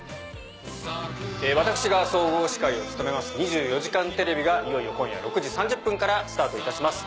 私が総合司会を務めます『２４時間テレビ』がいよいよ今夜６時３０分からスタートいたします。